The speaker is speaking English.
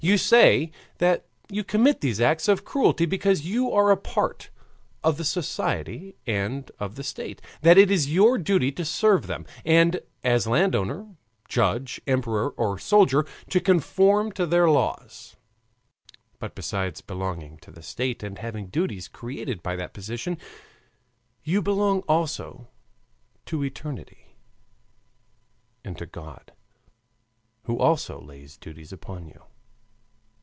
You say that you commit these acts of cruelty because you are a part of the society and of the state; that it is your duty to serve them, and as landowner, judge, emperor, or soldier to conform to their laws. But besides belonging to the state and having duties created by that position, you belong also to eternity and to God, who also lays duties upon you.